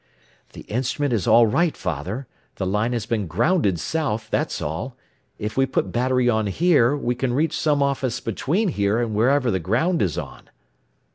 "The instrument is all right, Father. The line has been 'grounded' south, that's all. If we put battery on here, we can reach some office between here and wherever the 'ground' is on."